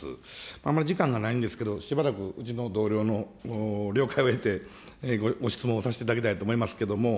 あんまり時間がないんですけど、しばらく同僚の了解を得て、ご質問をさせていただきたいと思いますけれども。